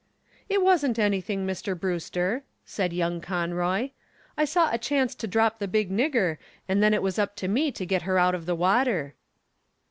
"It wasn't anything, Mr. Brewster," said young Conroy. "I saw a chance to drop the big nigger, and then it was up to me to get her out of the water."